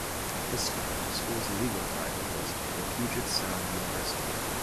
At this time, the school's legal title was "The Puget Sound University".